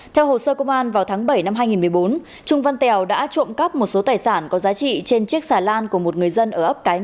theo hồ sơ công an vào tháng bảy năm hai nghìn một mươi bốn trung văn tèo đã trộm cắp một số tài sản có giá trị trên chiếc xà lan của một người dân ở ấp cái